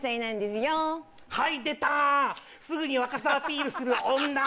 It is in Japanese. すぐに若さアピールする女！